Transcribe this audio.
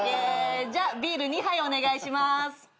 じゃビール２杯お願いします。